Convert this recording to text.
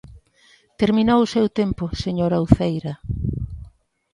Terminou o seu tempo, señora Uceira.